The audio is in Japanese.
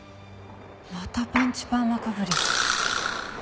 またパンチパーマかぶり。